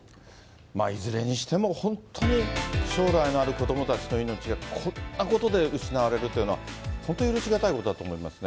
いずれにしても本当に将来のある子どもたちの命がこんなことで失われるというのは、本当許し難いことだと思いますね。